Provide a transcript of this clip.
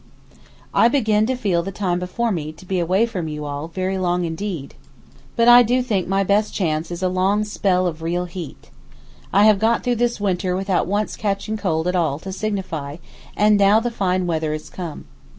I begin to feel the time before me to be away from you all very long indeed, but I do think my best chance is a long spell of real heat. I have got through this winter without once catching cold at all to signify, and now the fine weather is come.